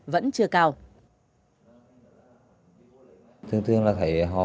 vẫn chưa cao